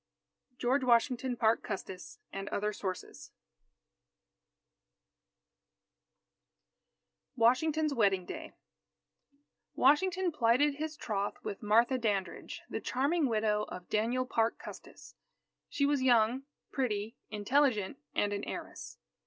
George Washington Parke Custis and Other Sources WASHINGTON'S WEDDING DAY Washington plighted his troth with Martha Dandridge, the charming widow of Daniel Parke Custis. She was young, pretty, intelligent, and an heiress.